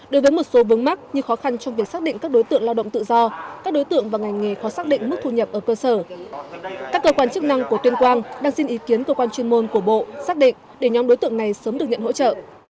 đối với một số vướng mắt như khó khăn trong việc xác định các đối tượng lao động tự do các đối tượng và ngành nghề khó xác định mức thu nhập ở cơ sở các cơ quan chức năng của tuyên quang đang xin ý kiến cơ quan chuyên môn của bộ xác định để nhóm đối tượng này sớm được nhận hỗ trợ